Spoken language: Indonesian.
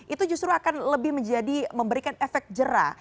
itu justru akan lebih menjadi memberikan efek jerah